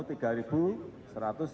di mk kalah